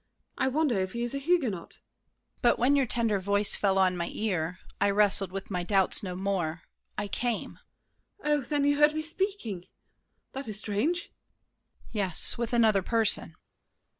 I wonder if he is a Huguenot? DIDIER. But when your tender voice fell on my ear, I wrestled with my doubts no more—I came. MARION. Oh, then you heard me speaking—that is strange! DIDIER. Yes; with another person.